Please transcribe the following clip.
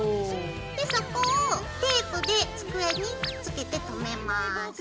でそこをテープで机にくっつけてとめます。